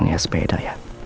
hias sepeda ya